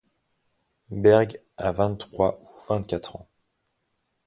Berg a vingt-trois ou vingt-quatre ans.